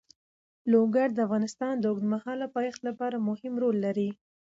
لوگر د افغانستان د اوږدمهاله پایښت لپاره مهم رول لري.